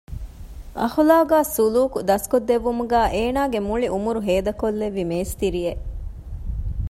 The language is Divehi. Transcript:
އަޚުލާޤާ ސުލޫކު ދަސްކޮށްދެއްވުމުގައި އޭނާގެ މުޅި އުމުރު ހޭދަކޮށްލެއްވި މޭސްތިރިއެއް